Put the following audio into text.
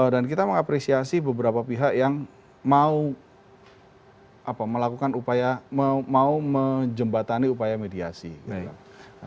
dan kita mengapresiasi beberapa pihak yang mau melakukan upaya mau menjembatani upaya mediasi gitu kan